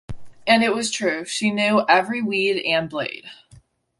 And it was true, she knew every weed and blade.